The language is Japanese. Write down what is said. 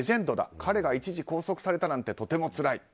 彼が一時拘束されたなんてとてもつらい。